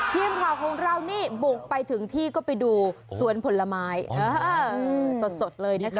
ทีมข่าวของเรานี่บุกไปถึงที่ก็ไปดูสวนผลไม้สดเลยนะคะ